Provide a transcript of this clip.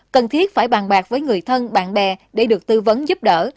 cần thiết phải bàn bạc với người thân bạn bè để được tư vấn giúp đỡ